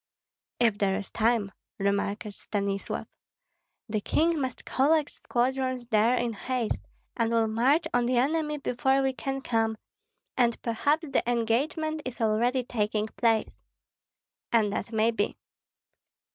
"If there is time," remarked Stanislav. "The king must collect squadrons there in haste, and will march on the enemy before we can come, and perhaps the engagement is already taking place." "And that may be."